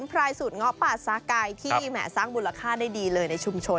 นี่เป็นปลายสูตรง้อป่าซากัยที่สร้างมูลค่าได้ดีเลยในชุมชน